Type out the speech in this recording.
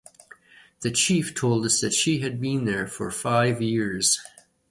The chief told us that she had been there for five years.